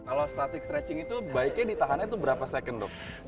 kalau static stretching itu baiknya ditahannya itu berapa second dok